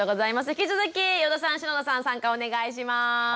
引き続き余座さん篠田さん参加お願いします。